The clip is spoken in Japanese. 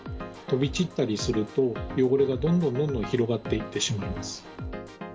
飛び散ったりすると、汚れがどんどんどんどん広がっていってしまいます。